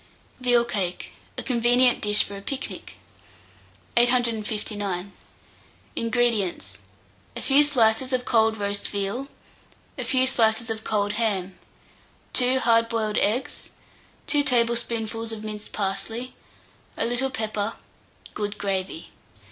VEAL CAKE (a Convenient Dish for a Picnic). 859. INGREDIENTS. A few slices of cold roast veal, a few slices of cold ham, 2 hard boiled eggs, 2 tablespoonfuls of minced parsley, a little pepper, good gravy.